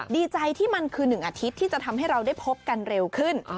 ดีใจที่มันคือ๑อาทิตย์ที่จะทำให้เราได้พบกันเร็วขึ้น